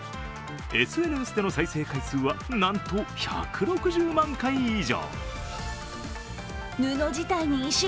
ＳＮＳでの再生回数はなんと１６０万回以上。